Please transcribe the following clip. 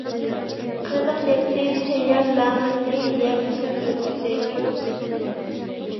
قىرىلىق يەتتى، تەييار «لەڭ»نى يەپ كۈن ئۆتكۈزەيچۇ!